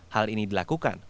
hal ini dilakukan